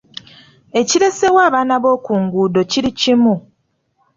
Ekireeseewo abaana b’oku nguudo kiri kimu.